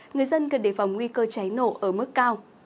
người dân cần đề phòng nguy cơ cháy nổ ở mức cao